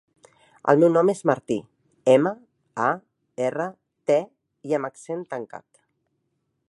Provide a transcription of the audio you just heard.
El meu nom és Martí: ema, a, erra, te, i amb accent tancat.